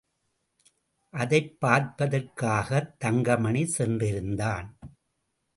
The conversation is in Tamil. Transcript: அதைப் பார்ப்பதற்காகத் தங்கமணி சென்றிருந்தான்.